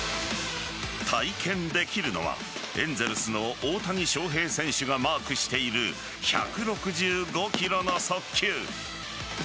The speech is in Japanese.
体験できるのはエンゼルスの大谷翔平選手がマークしている１６５キロの速球。